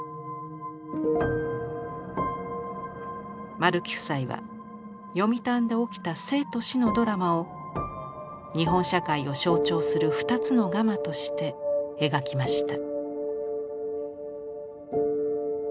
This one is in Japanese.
丸木夫妻は読谷で起きた生と死のドラマを日本社会を象徴する２つのガマとして描きました。